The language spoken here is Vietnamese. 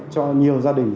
cho nhiều gia đình